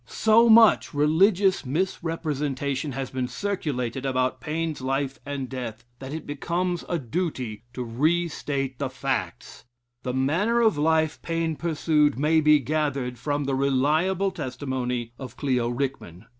So much religious misrepresentation has been circulated about Paine's life and death, that it becomes a duty to restate the facts. The manner of life Paine pursued may be gathered from the reliable testimony of Clio Rickman.